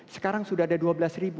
sekarang sudah ada dua belas ribu